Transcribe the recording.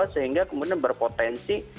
sehingga kemudian berpotensi